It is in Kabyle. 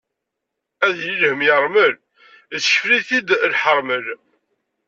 Ad yili lhemm yermel, yessekfel-it-id lhermel.